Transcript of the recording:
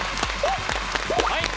はい！